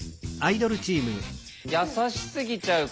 「優しすぎちゃうから」。